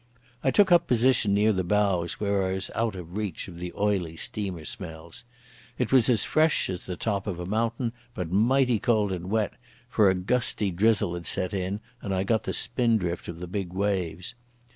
I took up position near the bows, where I was out of reach of the oily steamer smells. It was as fresh as the top of a mountain, but mighty cold and wet, for a gusty drizzle had set in, and I got the spindrift of the big waves.